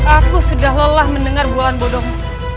aku sudah lelah mendengar bualan bodohmu